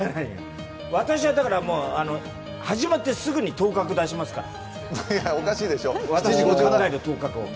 私は始まってすぐに当確出しますから。